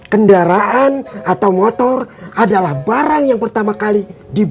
kendaraan atau motor adalah barang yang pertama kali dibuat